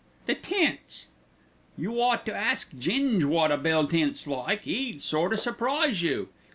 "The tents." "You ought to ask Ging wot a bell tent's like, 'e'd sort o' surprise you.